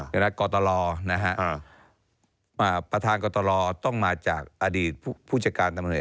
อย่างนั้นโปรโตรประธานโปรโตรต้องมาจากอดีตผู้จัดการตำรวจ